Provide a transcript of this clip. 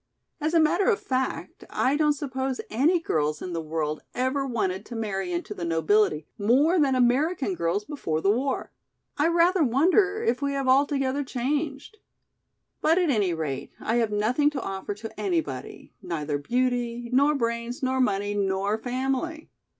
As a matter of fact, I don't suppose any girls in the world ever wanted to marry into the nobility more than American girls before the war. I rather wonder if we have altogether changed. But at any rate I have nothing to offer to anybody, neither beauty, nor brains, nor money, nor family."